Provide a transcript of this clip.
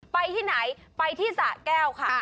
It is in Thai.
ไปที่ไหนไปที่สะแก้วค่ะ